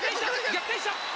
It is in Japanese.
逆転した！